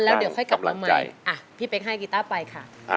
แล้วเดี๋ยวค่อยกลับมาใหม่พี่เป๊กให้กีต้าไปค่ะ